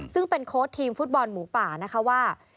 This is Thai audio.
ซึ่งเป็นโค้ดทีมฟุตบอลหมูป่านะคะว่า